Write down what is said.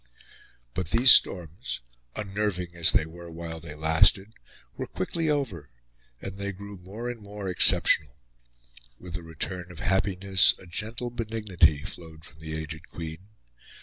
But these storms, unnerving as they were while they lasted, were quickly over, and they grew more and more exceptional. With the return of happiness a gentle benignity flowed from the aged Queen.